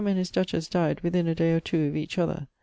and his duchess dyed within a day or two of each other.